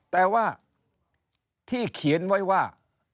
แต่ว่าที่เขียนไว้ว่า